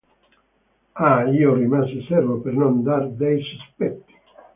Ah, io rimasi servo per non dar dei sospetti.